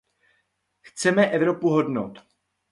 Chceme Evropu hodnot.